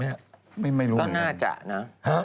ไม่รู้ไม่แม้คิดเลยแล้วน่าจะน่าจะ